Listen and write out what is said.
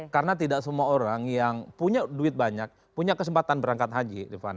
karena tidak semua orang yang punya duit banyak punya kesempatan berangkat haji